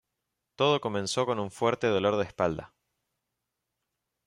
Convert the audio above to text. Todo comenzó con un fuerte dolor de espalda.